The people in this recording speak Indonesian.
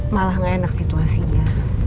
malah gak enak situasinya